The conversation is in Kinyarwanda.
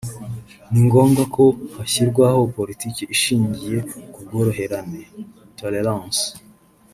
ni ngombwa ko hashyirwaho politiki ishingiye k’ubworoherane (tolérance)